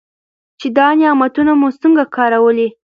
چې دا نعمتونه مو څنګه کارولي.